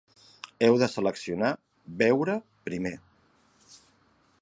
Heu de seleccionar ‘Veure primer’.